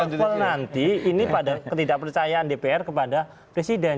sampai pada lempol nanti ini pada ketidakpercayaan dpr kepada presiden